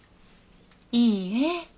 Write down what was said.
いいえ。